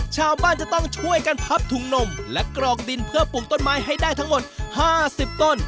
ชาวบ้านจะต้องช่วยกันพับถุงนมและกรอกดินเพื่อปลูกต้นไม้ให้ได้ทั้งหมด๕๐ต้น